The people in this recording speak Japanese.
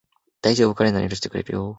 だいじょうぶ、彼なら許してくれるよ